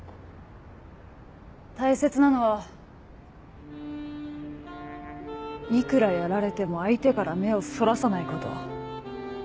大切なのはいくらやられても相手から目をそらさないこと。